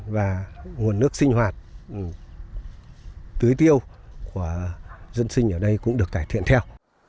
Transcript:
và nguồn nước sinh hoạt tưới tiêu của dân sinh ở đây cũng được cải thiện theo